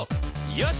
よし！